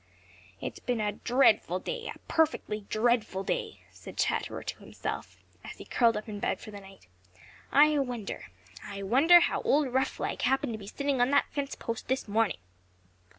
"It's been a dreadful day, a perfectly dreadful day," said Chatterer to himself, as he curled up in bed for the night. "I wonder—I wonder how old Roughleg happened to be sitting on that fence post this morning."